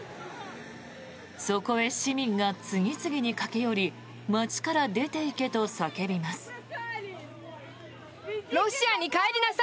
そこへ市民が次々に駆け寄り街から出て行けと叫びます。